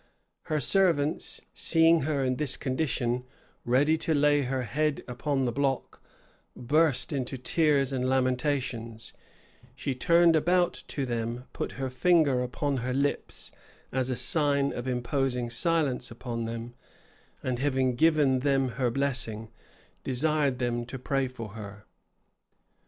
Her servants, seeing her in this condition, ready to lay her head upon the block, burst into tears and lamentations: she turned about to them; put her finger upon her lips, as a sign of imposing silence upon them;[*] and having given them her blessing, desired them to pray for her.